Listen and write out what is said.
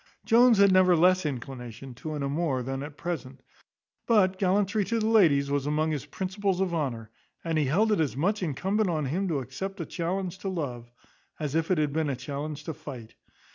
Jones had never less inclination to an amour than at present; but gallantry to the ladies was among his principles of honour; and he held it as much incumbent on him to accept a challenge to love, as if it had been a challenge to fight.